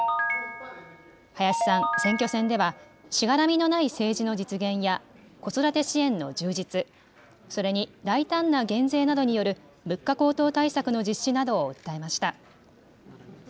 林さん、選挙戦ではしがらみのない政治の実現や子育て支援の充実、それに大胆な減税などによる物価高騰対策の実施などを訴えました。